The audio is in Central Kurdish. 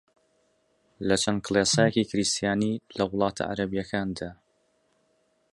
لە چەند کڵێسایەکی کریستیانی لە وڵاتە عەرەبییەکاندا